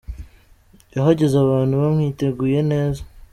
Yahageze abantu bamwiteguye neza.